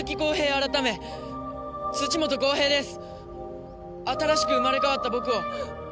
改め土本公平です！